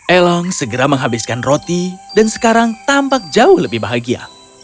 elong segera menghabiskan roti dan sekarang tampak jauh lebih bahagia